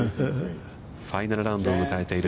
ファイナルラウンドを迎えている